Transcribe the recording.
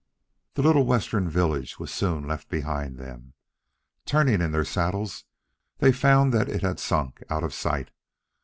The little western village was soon left behind them. Turning in their saddles, they found that it had sunk out of sight.